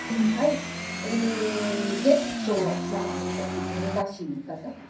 It is by no means inconsistent with "Aguilar".